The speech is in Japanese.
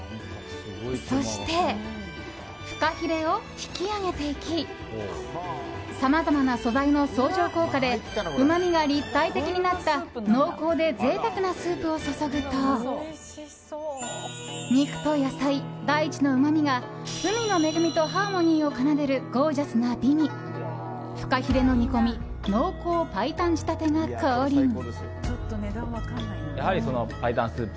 そしてフカヒレを引き上げていきさまざまな素材の相乗効果でうまみが立体的になった濃厚で贅沢なスープを注ぐと肉と野菜、大地のうまみが海の恵みとハーモニーを奏でるゴージャスな美味フカヒレの煮込み濃厚白湯仕立てが降臨。